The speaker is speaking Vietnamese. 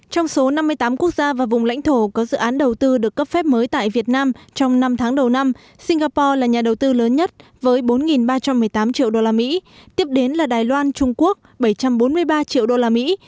trong số năm mươi tám quốc gia và vùng lãnh thổ có dự án đầu tư được cấp phép mới tại việt nam trong năm tháng đầu năm singapore là nhà đầu tư lớn nhất với bốn ba trăm một mươi tám triệu usd tiếp đến là đài loan trung quốc bảy trăm bốn mươi ba triệu usd